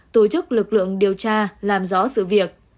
tổ chức lực lượng điều tra làm rõ sự việc